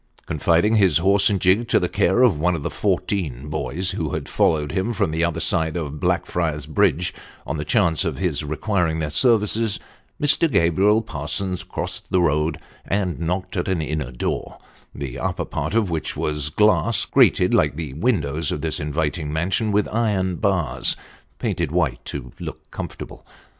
Confiding his horse and gig to the care of one of the fourteen boys who had followed him from the other side of Blackfriars Bridge on the chance of his requiring their services, Mr. Gabriel Parsons crossed the road and knocked at an inner door, the upper part of which was of glass, grated like the windows of this inviting mansion with iron bars painted white to look comfortable.